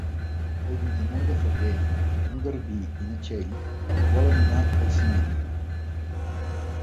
El vint-i-nou de febrer en Garbí i na Txell volen anar al cinema.